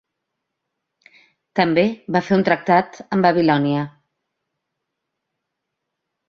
També va fer un tractat amb Babilònia.